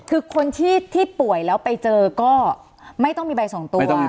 คือคนที่ป่วยแล้วไปเจอก็ไม่ต้องมีใบ๒ตัว